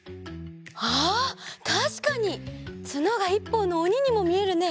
あったしかにツノが１ぽんのおににもみえるね。